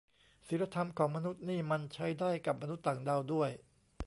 ศีลธรรมของมนุษย์นี่มันใช้ได้กับมนุษย์ต่างดาวด้วย